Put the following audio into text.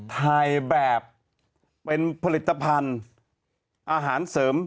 ถ่ายแบบเป็นผลิตภัณฑ์อาหารเสริม